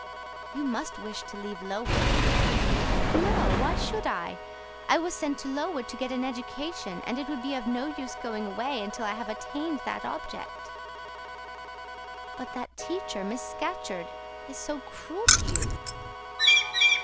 "You must wish to leave Lowood?" "No! why should I? I was sent to Lowood to get an education; and it would be of no use going away until I have attained that object." "But that teacher, Miss Scatcherd, is so cruel to you?"